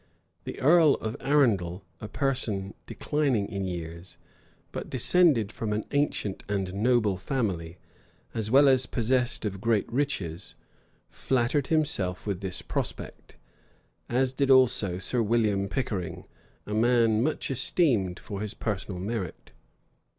The earl of Arundel, a person declining in years, but descended from an ancient and noble family, as well as possessed of great riches, flattered himself with this prospect; as did also Sir William Pickering, a man much esteemed for his personal merit.